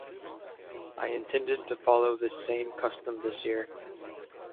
I intended to follow this same custom this year.